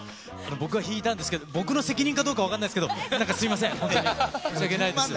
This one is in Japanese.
僕が引いたんですけど、僕の責任かどうか分からないですけど、なんかすみません、申し訳ないです。